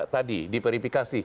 delapan puluh lima tadi di verifikasi